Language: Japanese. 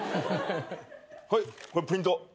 はいこれプリント。